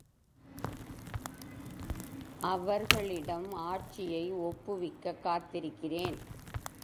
அவர்களிடம் ஆட்சியை ஒப்புவிக்கக் காத்திருக்கிறேன்.